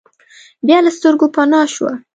بیا له سترګو پناه شوه.